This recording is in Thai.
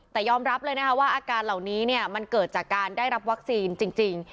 แต่ยอมรับเลยนะคะว่าอาการเหล่านี้มันเกิดจากการได้รับวัคซีนจริง